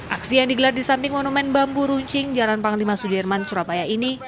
aksi yang digelar di samping monumen bambu runcing jalan panglima sudirman surabaya ini